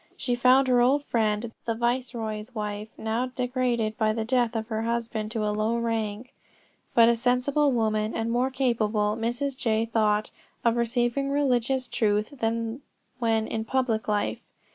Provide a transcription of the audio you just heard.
She found her old friend the viceroy's wife now degraded by the death of her husband to a low rank, but a sensible woman, and more capable, Mrs. J. thought, of receiving religious truth than when in public life.